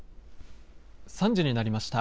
３時になりました。